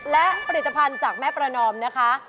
และผลิตภัณฑ์จากแม่ประนอมนะคะ